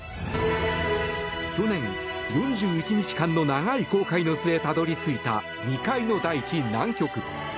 去年、４１日間の長い航海の末たどり着いた未開の大地・南極。